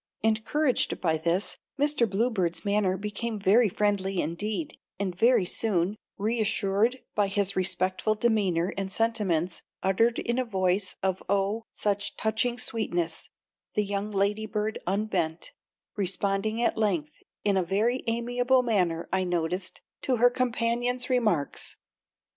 Encouraged by this Mr. Bluebird's manner became very friendly indeed, and very soon, reassured by his respectful demeanor and sentiments uttered in a voice of oh, such touching sweetness, the young lady bird unbent, responding at length in a very amiable manner, I noticed, to her companion's remarks.